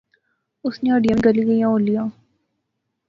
اس نیاں ہڈیاں وی گلی گئیاں ہولیاں